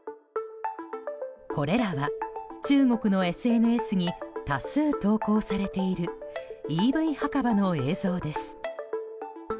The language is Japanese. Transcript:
これらは中国のＳＮＳに多数投稿されているＥＶ墓場の映像です。